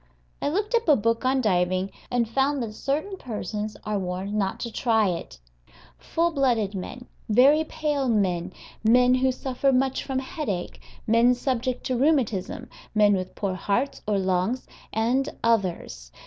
I looked up a book on diving, and found that certain persons are warned not to try it full blooded men, very pale men, men who suffer much from headache, men subject to rheumatism, men with poor hearts or lungs, and others.